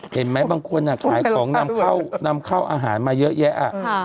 เห็นไหมบางคนขายของนำเข้าอาหารมาเยอะแยะ